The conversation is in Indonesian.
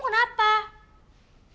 kamu gak apa apa kan